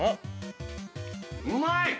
うまい！